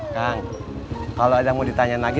kang kalau ada mau ditanya lagi